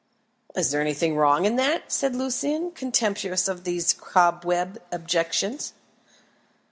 "Is there anything wrong in that?" said Lucian, contemptuous of these cobweb objections.